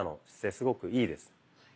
すごくいいです。